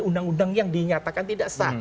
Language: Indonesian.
undang undang yang dinyatakan tidak sah